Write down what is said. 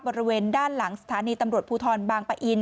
บริเวณด้านหลังสถานีตำรวจภูทรบางปะอิน